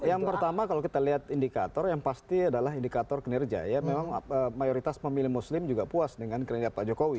yang pertama kalau kita lihat indikator yang pasti adalah indikator kinerja ya memang mayoritas pemilih muslim juga puas dengan kinerja pak jokowi